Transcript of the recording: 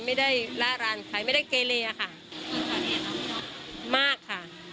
ไม่ได้ล่ารานใครไม่ได้เกเลอ่ะค่ะมากค่ะ